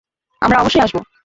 আমরা অবশ্যই আসব।